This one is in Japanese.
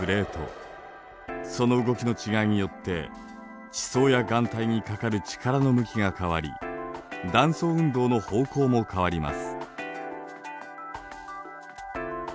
その動きの違いによって地層や岩体にかかる力の向きが変わり断層運動の方向も変わります。